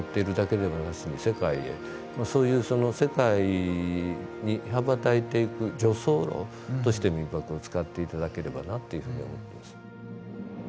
そういうその世界に羽ばたいていく助走路として「みんぱく」を使って頂ければなっていうふうに思ってます。